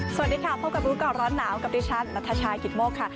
สวัสดีค่ะพบกับร้อนหนาวกับดิฉันณชายกิตโมคค่ะ